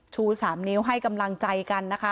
ชูสามนิ้วให้กำลังใจกัน